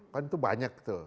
kan itu banyak tuh